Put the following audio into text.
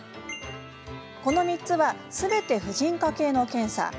この３つはすべて婦人科系の検査。